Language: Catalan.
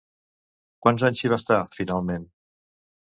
Quants anys s'hi va estar, finalment?